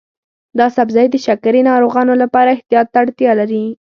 دا سبزی د شکرې ناروغانو لپاره احتیاط ته اړتیا لري.